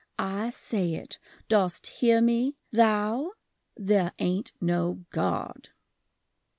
I say it! Dost hear me ... Thou? There aint no God!